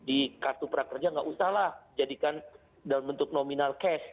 di kartu prakerja tidak usahlah jadikan dalam bentuk nominal cash